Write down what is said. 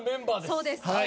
そうです。